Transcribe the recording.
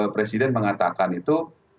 presiden mengatakan itu